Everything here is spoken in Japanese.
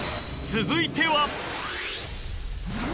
続いては。